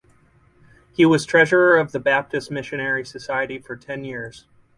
He was Treasurer of the Baptist Missionary Society for ten years.